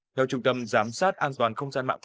theo trung tâm giám sát an toàn không gian mạng quốc gia